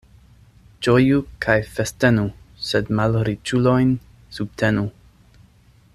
Ĝoju kaj festenu, sed malriĉulojn subtenu.